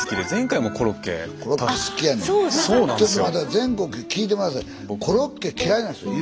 全国聞いてみなさい。